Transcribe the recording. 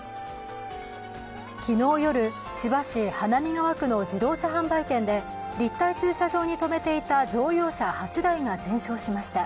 昨日夜、千葉市花見川区の自動車販売店で立体駐車場に止めていた乗用車８台が全焼しました。